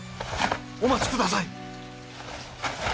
お待ちください！